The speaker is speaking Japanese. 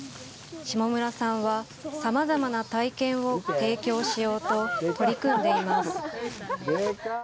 下村さんはさまざまな体験を提供しようと取り組んでいます。